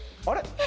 あれ？